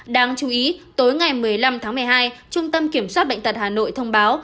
đáng chú ý tối ngày một mươi năm tháng một mươi hai trung tâm kiểm soát bệnh tật hà nội thông báo